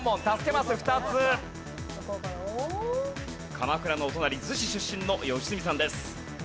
鎌倉のお隣子出身の良純さんです。